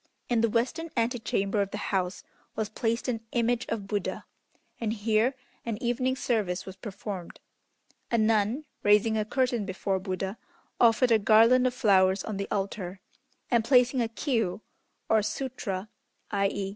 In the western antechamber of the house was placed an image of Buddha, and here an evening service was performed. A nun, raising a curtain before Buddha, offered a garland of flowers on the altar, and placing a Kiô (or Sutra, i.e.